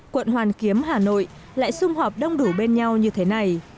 quận hoàn kiếm hà nội lại xung họp đông đủ bên nhau như thế này